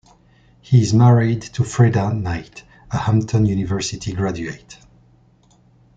He is married to Freda Knight, a Hampton University Graduate.